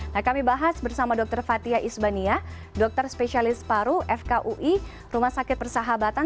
nah kami bahas bersama dr fathia isbania dokter spesialis paru fkui rumah sakit persahabatan